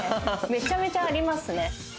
めちゃめちゃありますね。